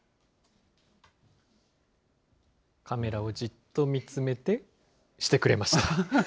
カメラをじっと見つめて、してくれました。